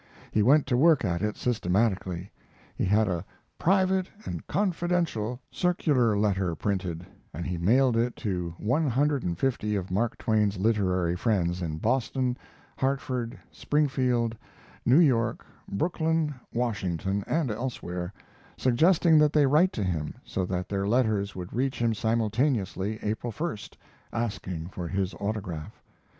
He went to work at it systematically. He had a "private and confidential" circular letter printed, and he mailed it to one hundred and fifty of Mark Twain's literary friends in Boston, Hartford, Springfield, New York, Brooklyn, Washington, and elsewhere, suggesting that they write to him, so that their letters would reach him simultaneously April 1st, asking for his autograph.